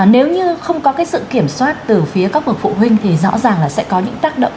nếu như không có cái sự kiểm soát từ phía các bậc phụ huynh thì rõ ràng là sẽ có những tác động ảnh hưởng đến các em